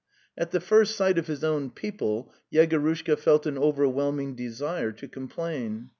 At the first sight of his own people Yegorushka felt an overwhelming desire to complain.